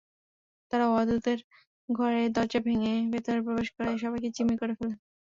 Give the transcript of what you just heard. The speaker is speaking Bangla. তারা ওয়াদুদের ঘরের দরজা ভেঙে ভেতরে প্রবেশ করে সবাইকে জিম্মি করে ফেলে।